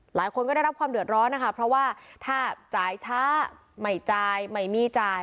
หลายคนก็ได้รับความเดือดร้อนนะคะเพราะว่าถ้าจ่ายช้าไม่จ่ายไม่มีจ่าย